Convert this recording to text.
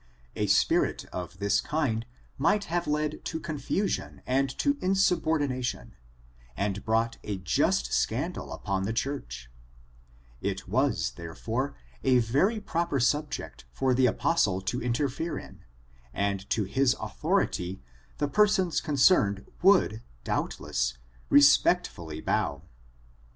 A spirit of this kind might have led to confusion, and to insubordination, and brought a just scandal upon the church. It vaS; therefore, a very proper subject for the apostle ^^*^*^«^^^%#^^N 296 ORIGIN, CHARACTER, AND to interfere in, aud to his authority the persons coo* cerned would, doubtless, respectfully bow."